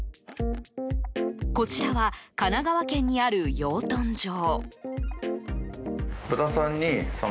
こちらは神奈川県にある養豚場。